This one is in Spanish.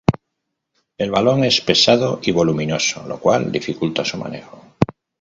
El balón es pesado y voluminoso lo cual dificulta su manejo.